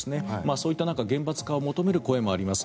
そういった中厳罰化を求める声もあります。